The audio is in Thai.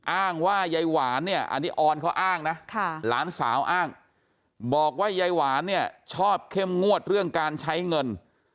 อ้างว่ายายหวานเนี่ยอันนี้ออนเขาอ้างนะหลานสาวอ้างบอกว่ายายหวานเนี่ยชอบเข้มงวดเรื่องการใช้เงิน